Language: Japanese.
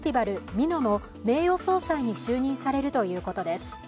美濃の名誉総裁に就任されるということです。